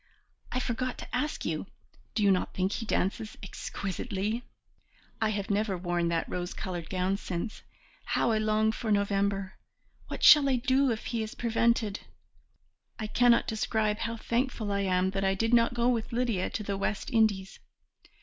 I forgot to ask you, do you not think he dances exquisitely? I have never worn that rose coloured gown since. How I long for November! What shall I do if he is prevented? I cannot describe how thankful I am that I did not go with Lydia to the West Indies.